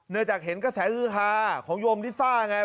จากเห็นกระแสฮือฮาของโยมลิซ่าไง